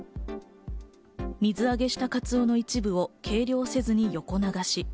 水揚げしたカツオの一部を計量せずに横流し。